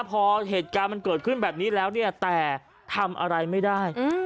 พอเหตุการณ์มันเกิดขึ้นแบบนี้แล้วเนี่ยแต่ทำอะไรไม่ได้